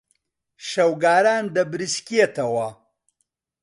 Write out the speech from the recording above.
شەوگاران دەبریسکێتەوە.